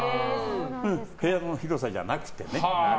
部屋の広さじゃなくてね。